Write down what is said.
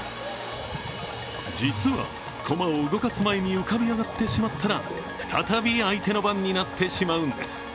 実は、駒を動かす前に浮かび上がってしまったら再び相手の番になってしまうんです。